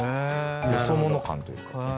よそ者感というか。